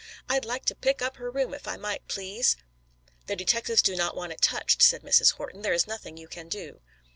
I'd like to pick up her room if I might, please." "The detectives do not want it touched," said Mrs. Horton. "There is nothing you can do."